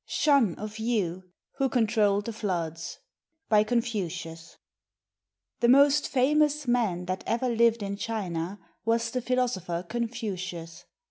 SHUN OF YU WHO CONTROLLED THE FLOODS BY CONFUCIUS [The most famous man that ever lived in China was the philosopher Confucius.